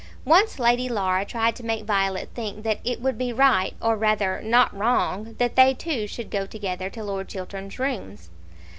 Once Lady Laura tried to make Violet think that it would be right, or rather not wrong, that they two should go together to Lord Chiltern's rooms.